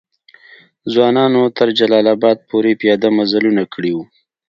ځوانانو تر جلال آباد پوري پیاده مزلونه کړي وو.